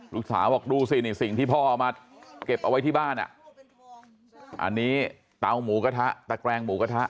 ลูกสาวบอกดูสินี่สิ่งที่พ่อเอามาเก็บเอาไว้ที่บ้านอ่ะอันนี้เตาหมูกระทะตะแกรงหมูกระทะ